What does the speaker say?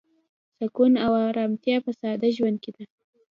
سکون او ارامتیا په ساده ژوند کې ده.